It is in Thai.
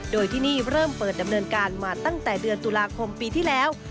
โดยที่นี่เริ่มเปิดดำเนินการมาตั้งแต่เดือนตุลาคมปีที่แล้ว